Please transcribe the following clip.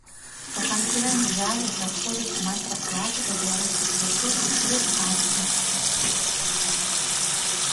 У канферэнц-зале праходзяць майстар-класы па беларускіх тату і стрыт-арце.